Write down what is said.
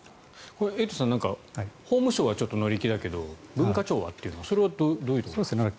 これ、エイトさん法務省は乗り気だけど文化庁はというのはそれはどういうことですか。